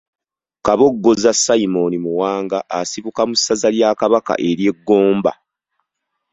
Kabogoza Simon Muwanga asibuka mu ssaza lya Kabaka ery’e Ggomba.